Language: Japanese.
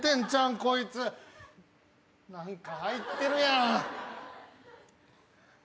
こいつ何か入ってるやん！